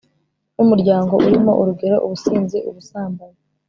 n'umuryango urimo. urugero ubusinzi, ubusambanyi